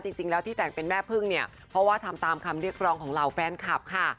จริงแล้วที่แต่งเป็นแม่พึ่งเนี่ยเพราะว่าทำตามคำเรียกร้องของเหล่าแฟนคลับค่ะ